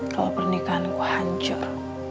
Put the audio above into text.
kalau pernikahanku hancur